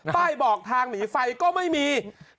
ป้ายบอกทางหนีไฟก็ไม่มี